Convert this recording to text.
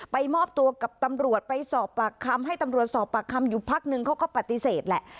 มอบตัวกับตำรวจไปสอบปากคำให้ตำรวจสอบปากคำอยู่พักนึงเขาก็ปฏิเสธแหละ